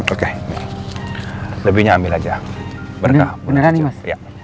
oke lebihnya ambil aja beneran ini mas